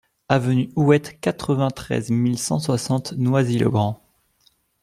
Avenue Houette, quatre-vingt-treize mille cent soixante Noisy-le-Grand